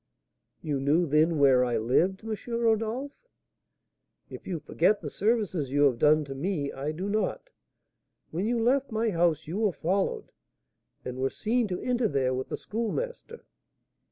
"You knew, then, where I lived, M. Rodolph?" "If you forget the services you have done to me, I do not. When you left my house you were followed, and were seen to enter there with the Schoolmaster."